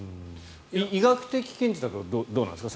医学的見地だとどうなんですか？